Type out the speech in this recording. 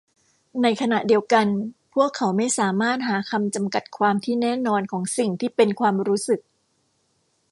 ในขณะเดียวกันพวกเขาไม่สามารถหาคำจำกัดความที่แน่นอนของสิ่งที่เป็นความรู้สึก